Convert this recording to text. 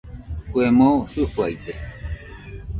Kue moo Jɨfaide